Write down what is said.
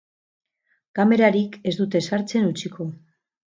Kamerarik ez dute sartzen utziko.